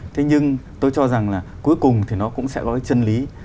thế nhưng tôi cho rằng là cuối cùng thì nó cũng sẽ có cái chân lý